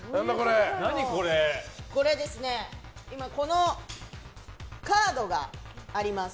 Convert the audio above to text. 今、このカードがあります。